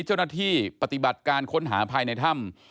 เจ้าหน้าที่ปฏิบัติการค้นหาภัยในท่ำ